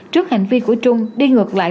trước hành vi của trung đi ngược lại